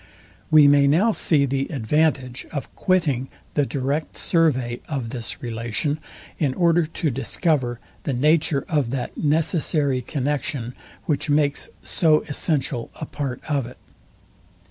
We may now see the advantage of quitting the direct survey of this relation, in order to discover the nature of that necessary connexion, which makes so essential a part of it.